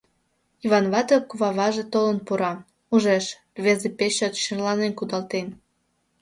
Йыван вате куваваже толын пура, ужеш: рвезе пеш чот черланен кудалтен.